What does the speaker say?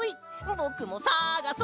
ぼくもさがそ！